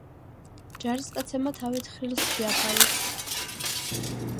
ჯარისკაცებმა თავი თხრილს შეაფარეს.